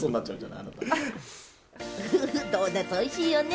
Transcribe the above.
ドーナツおいしいよね。